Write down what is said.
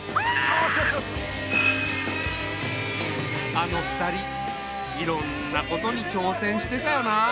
あの２人いろんなことにちょうせんしてたよなあ。